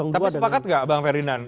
tapi sepakat gak bang ferdinand